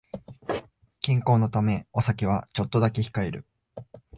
健康のためお酒はちょっとだけ控える